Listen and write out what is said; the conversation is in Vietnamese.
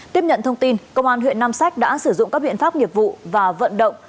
tiếp nhận thông tin công an huyện nam sách đã sử dụng các biện pháp nghiệp vụ và vận động